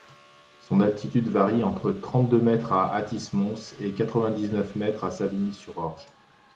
Son altitude varie entre trente-deux mètres à Athis-Mons et quatre-vingt-dix-neuf mètres à Savigny-sur-Orge.